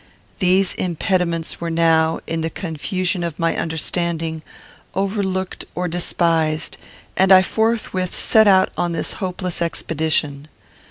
These impediments were now, in the confusion of my understanding, overlooked or despised, and I forthwith set out upon this hopeless expedition.